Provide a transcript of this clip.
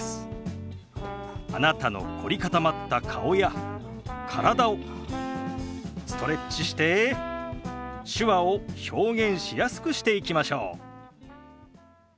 あなたの凝り固まった顔や体をストレッチして手話を表現しやすくしていきましょう。